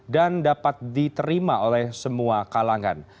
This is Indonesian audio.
dapat diterima oleh semua kalangan